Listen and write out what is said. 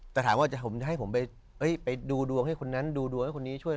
แต่ถามว่าผมจะให้ผมไปดูดวงให้คนนั้นดูดวงให้คนนี้ช่วย